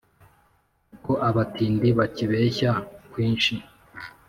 ko abatindi bakibeshya kwinshi